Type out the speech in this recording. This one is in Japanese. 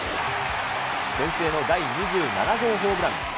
先制の第２７号ホームラン。